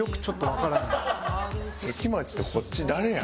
関町とこっち誰や？